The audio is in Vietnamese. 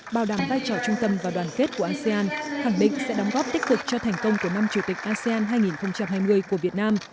bảo đảm vai trò trung tâm và đoàn kết của asean khẳng định sẽ đóng góp tích cực cho thành công của năm chủ tịch asean hai nghìn hai mươi của việt nam